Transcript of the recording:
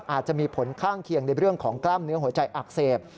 อาจจะมีผลข้างเคียงในเรื่องของกล้ามเนื้อหัวใจอักเสบ